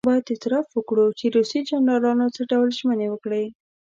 باید اعتراف وکړو چې روسي جنرالانو څه ډول ژمنې وکړې.